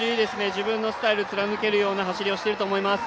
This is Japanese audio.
自分のスタイルを貫ける走りをしています。